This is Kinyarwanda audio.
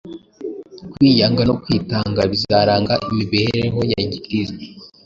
kwiyanga no kwitanga bizaranga imibereho ya gikristo.